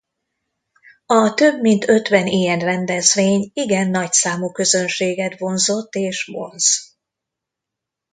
A több mint ötven ilyen rendezvény igen nagy számú közönséget vonzott és vonz.